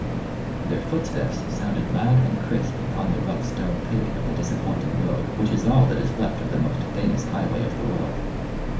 Their footsteps sounded loud and crisp upon the rough stone paving of the disappointing road which is all that is left of the most famous highway of the world.